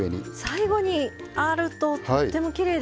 最後にあるととってもきれいですね。